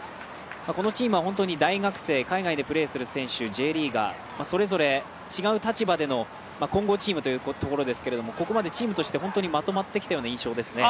このチームは本当に大学生、海外でプレーする選手、Ｊリーガー、それぞれ違う立場での混合チームところですがここまでチームとして本当にまとまってきたような印象ですね。